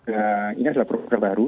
dan ini adalah program baru